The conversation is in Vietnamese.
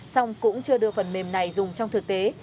song cũng chưa được phần mềm này dùng trong thực tế